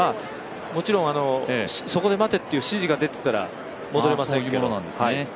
もちろんそこで待てという指示が出ていたら戻れませんけど。